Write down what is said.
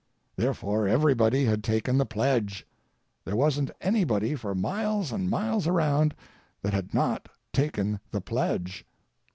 Therefore, everybody had taken the pledge; there wasn't anybody for miles and miles around that had not taken the pledge.